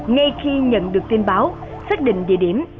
ngay khi nhận được tin báo xác định địa điểm